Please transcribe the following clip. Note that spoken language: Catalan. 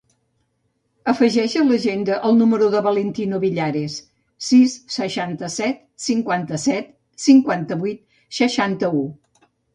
Afegeix a l'agenda el número del Valentino Villares: sis, seixanta-set, cinquanta-set, cinquanta-vuit, seixanta-u.